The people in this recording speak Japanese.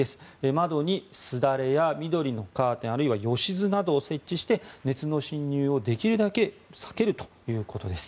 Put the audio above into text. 窓にすだれや緑のカーテンあるいはよしずなどを設置して熱の侵入をできるだけ避けるということです。